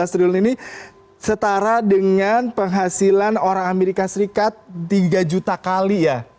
tiga belas triliun ini setara dengan penghasilan orang amerika serikat tiga juta kali ya